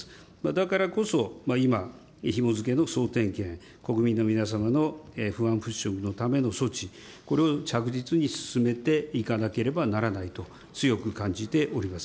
だからこそ、今、ひも付けの総点検、国民の皆様の不安払拭のための措置、これを着実に進めいかなければならないと、強く感じております。